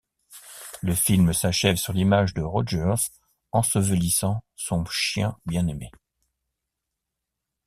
Le film s'achève sur l'image de Rogers ensevelissant son chien bien-aimé.